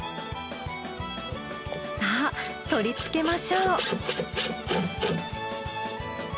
さあ取りつけましょう。